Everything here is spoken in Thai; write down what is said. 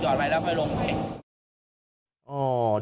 จอดไว้แล้วพอลงไป